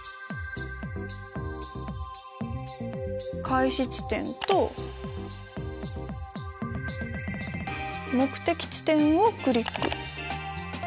「開始地点」と「目的地点」をクリック。